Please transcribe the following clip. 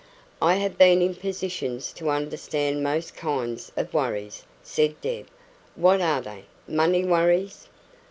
"I have been in positions to understand most kinds of worries," said Deb. "What are they? Money worries?"